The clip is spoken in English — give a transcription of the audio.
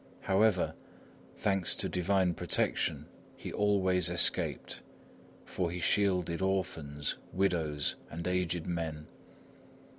However, thanks to Divine protection, he always escaped, for he shielded orphans, widows, and aged men.